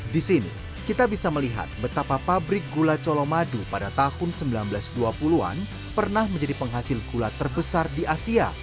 di sini kita bisa melihat betapa pabrik gula colomadu pada tahun seribu sembilan ratus dua puluh an pernah menjadi penghasil gula terbesar di asia